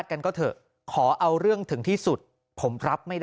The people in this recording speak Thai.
วันนี้ทีมข่าวไทยรัฐทีวีไปสอบถามเพิ่ม